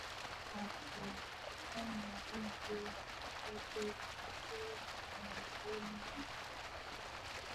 Kwa kufanya hivyo Chato itakuwa imemega wilaya mbili